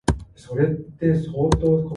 Lillo Tombolini is the executive director.